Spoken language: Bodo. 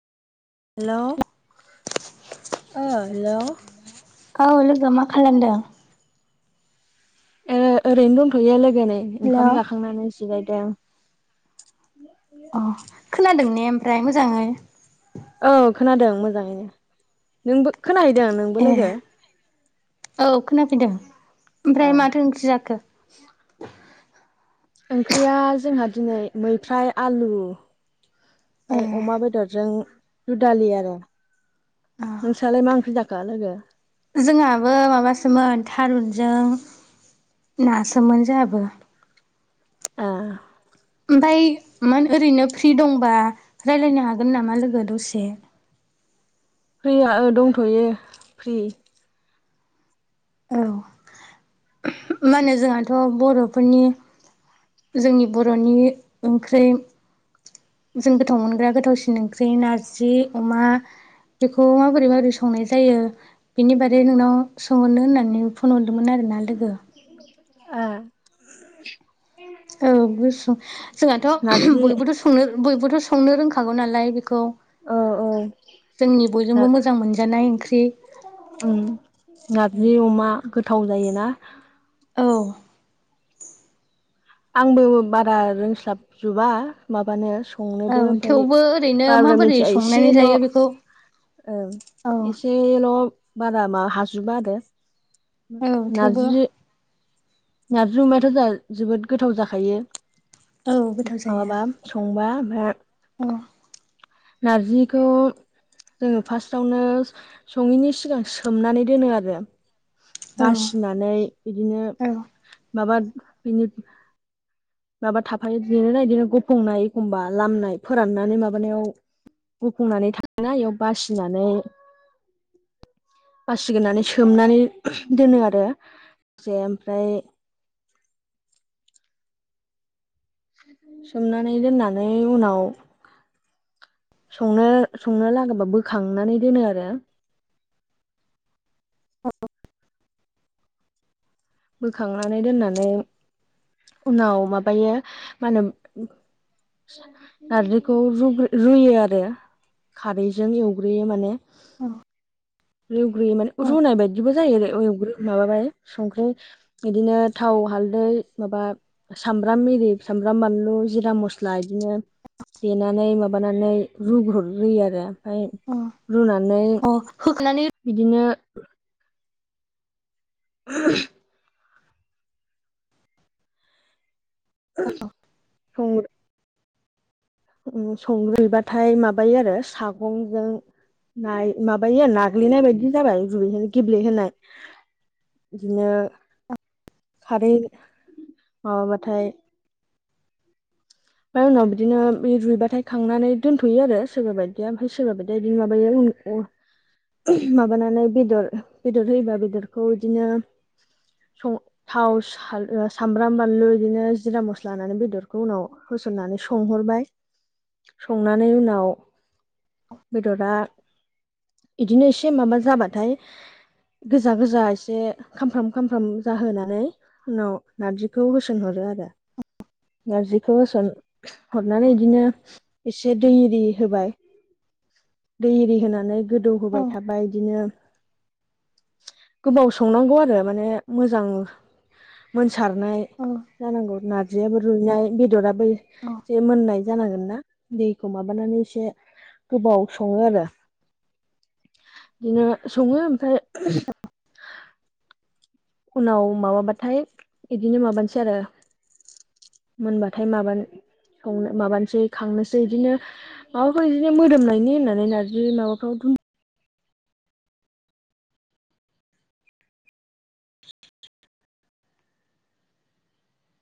हेलौ ओ हेलौ औ लोगो मा खालामदों? ए ओरैनो दंथ'यो लोगो नै हेलौ ओंखाम जाखांनानै जिरायदों अ खोनादों ने ओमफ्राय मोजाङै? औ खोनादों मोजांङैनो नोंबो खोनाहैदों नोंबो ए लोगो? औ खोनाफैदों ए ओमफ्राय माथो ओंख्रि जाखो? ओंख्रिया जोंहा दिनै मैफ्राय आलु ए ओमफाय अमा बेदरजों दुदालि आरो अ नोंस्रालाय मा ओंख्रि जाखो लोगो? जोंहाबो माबासोमोन थारुनजों नासोमोन जोहाबो। ओ फाय मान ओरैनो फ्रि दंबा रायज्लायनो हागोन नामा लोगो दसे? फ्रिया ओ दंथ'यो फ्रि। औ मा होनो जोंहाथ' बर'फोरनि जोंनि बर'नि ओंख्रि जों गोथाव मोनग्रा गोथावसिन ओंख्रि नारजि अमा बेखौ माबोरै माबोरै संनाय जायो? बिनि बारै नोंनाव सोंहरनो होननानै फन हरदोंमोन आरोना लोगो। [unintelligible] ओ औ गुसु जोंहाथ' [unintelligible] नारजि बयबोथ' [unintelligible] संनो बयबोथ' संनो रोंखागौ नालाय बेखौ। औ औ जोंनि नार बयजोंबो मोजां मोनजानाय ओंख्रि। उम नारजि अमा गोथाव जायोना? औ। आंबो बारा रोंस्लाबजोबा माबानो औ संनोबो ओमफ्राय थेवबो ओरैनो बाब्रा माबोरै मिथिया संनानै एसेल' ओं जायो बेखौ औ एसे एसेल' बारा मा हाजोबा आरो औ थेवबो नारजि नारजि अमायाथ' जा जोबोद गोथाव जाखायो औ माबाबा संबा ओमफ्राय उम। नारजिखौ जोङो फार्स्टआवनो सङैनि सिगां सोमनानै दोनो आरो औ बासिनानै इदिनो औ माबा बिनि माबा थाफायो बि ना बिदिनो गुफुंनाय एखमबा लामनाय फोराननानै माबानायाव गुफुंनानै थाङोना बेयाव बासिनानै बासिग्रोनानै सोमनानै दोनो आरो जे ओमफ्राय सोमनानै दोननानै उनाव संनो संनो लागोबा बोखांनानै दोनो आरो। [unintelligible] बोखांनानै दोननानै उनाव माबायो मा होनो नारजिखौ रुग्रो रुयो आरो खारैजों एवग्रोयो माने औ। रुग्रोयो माने औ रुनाय बायदिबो जायो एवग्रो माबाबाय संख्रि इदिनो थाव हालदै माबा सामब्राम मेरि सामब्राम बानलु जिरा मस्ला इदिनो देनानै माबानानै रुग्रर रोयो आरो। ओमफ्राय औ रुनानै अ होखानानै बिदिनो [inaudible] [unintelligible] संग्रुबाथाय माबायो आरो सागंजों नाय माबायो नाग्लिनाय बायदि जाबाय जै गेब्लेहोनाय बिदिनो खारै माबाबाथाय ओमफ्राय उनाव बिदिनो बे रुइबाथाय खांनानै दोनथ'यो आरो सोरबा बायदिया ओमफ्राय सोरबा बायदिया बिदिनो माबायो माबानानै बेदर बेदर होयोबा बेदरखौ इदिनो सं थाव सा-सामब्राम बानलु बिदिनो जिरा मसला होनानै बेदरखौ उनाव होसननानै सोंहरबाय संनानै उनाव बेदरा इदिनो एसे माबा जाबाथाय गोजा गोजा एसे खामफ्राम खामफ्राम जाहोनानै उनाव नारजिखौ होसोनहरो आरो। नारजिखौ होसन हरनानै इदिनो एसे दै एरि होबाय [inaudible] दै एरि होनानै गोदौ औ होबाय थाबाय इदिनो गोबाव संनांगौ आरो माने मोजां मोनसारनाय। औ जानांगौ नारजियाबो रुइनाय बेदराबो औ एसे मोननाय जानांगोन ना। दैखौ माबानानै एसे गोबाव सङो आरो। बिदिनो सङो ओमफाय उनाव माबाबाथाय बिदिनो माबानोसै आरो मोनबाथाय माबा संनो माबानोसै खांनोसै इदिनो माबाफोर बिदिनो मोदोमनायनि होननानै नारजि माबाफ्राव